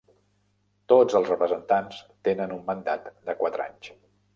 Tots els representants tenen un mandat de quatre anys.